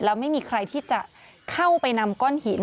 แล้วไม่มีใครที่จะเข้าไปนำก้อนหิน